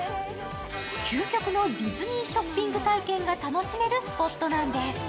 究極のディズニーショッピングが体験できるスポットなんです。